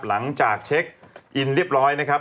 หลังจากเช็คอินเรียบร้อยนะครับ